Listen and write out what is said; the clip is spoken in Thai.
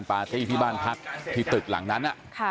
ปาร์ตี้ที่บ้านพักที่ตึกหลังนั้น